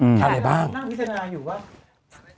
ในตอนนั้นพิจาณาอยู่ว่า